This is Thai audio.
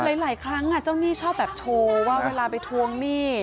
หลายครั้งเจ้าหนี้ชอบแบบโชว์ว่าเวลาไปทวงหนี้